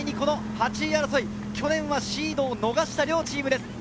お互いに８位争い、去年はシードを逃した両チームです。